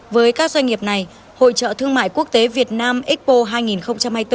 với các doanh nghiệp này hội trợ thương mại quốc tế việt nam expo hai nghìn hai mươi bốn